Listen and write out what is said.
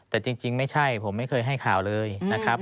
แต่จริงไม่ใช่ผมไม่เคยให้ข่าวเลยนะครับ